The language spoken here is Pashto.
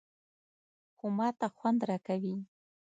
_خو ماته خوند راکوي.